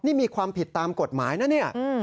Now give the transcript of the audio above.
นี่มีความผิดตามกฎหมายนะเนี่ย